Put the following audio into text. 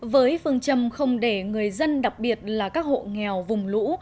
với phương châm không để người dân đặc biệt là các hộ nghèo vùng lũ